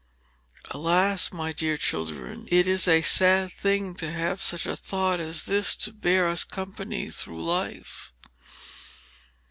Alas! my dear children, it is a sad thing to have such a thought as this to bear us company through life.